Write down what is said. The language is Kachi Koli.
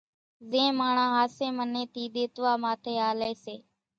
زين ماڻۿان ۿاسي من ٿي ۮيتوا ماٿي ھالي سي